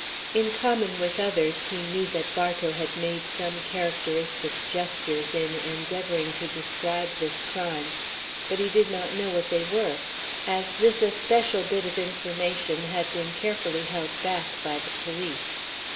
In common with others, he knew that Bartow had made some characteristic gestures in endeavoring to describe this crime, but he did not know what they were, as this especial bit of information had been carefully held back by the police.